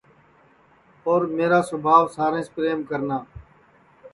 اور میرا سوبھاو ساریںٚس پریم کرنا